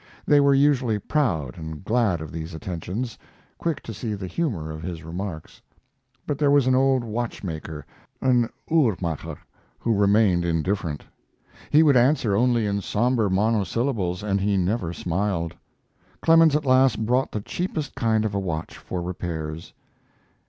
They were usually proud and glad of these attentions, quick to see the humor of his remarks. But there was an old watchmaker an 'Uhrmacher' who remained indifferent. He would answer only in somber monosyllables, and he never smiled. Clemens at last brought the cheapest kind of a watch for repairs.